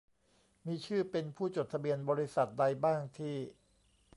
มีชื่อเป็นผู้จดทะเบียนบริษัทใดบ้างที่